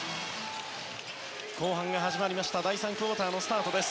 後半が始まりました第３クオーターのスタートです。